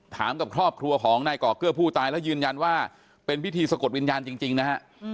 กับครอบครัวของนายก่อเกื้อผู้ตายแล้วยืนยันว่าเป็นพิธีสะกดวิญญาณจริงนะฮะ